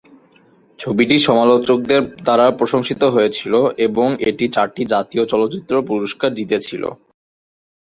ছবিটি সমালোচকদের দ্বারা প্রশংসিত হয়েছিল এবং এটি চারটি জাতীয় চলচ্চিত্র পুরস্কার জিতেছিল।